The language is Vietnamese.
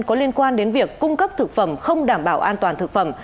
có liên quan đến việc cung cấp thực phẩm không đảm bảo an toàn thực phẩm